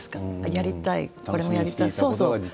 やりたい、これもやりたいとか。